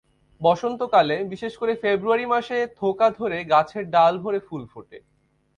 বসন্তকালে, বিশেষ করে ফেব্রুয়ারি মাসে থোকা ধরে গাছের ডাল ভরে ফুল ফোটে।